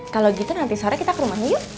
kalau gitu nanti sore kita ke rumah yuk